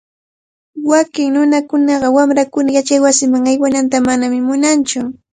Wakin nunakunaqa wamrankuna yachaywasiman aywananta manami munantsu.